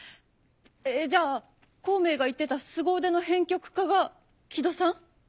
えっじゃあ孔明が言ってたすご腕の編曲家がキドさん？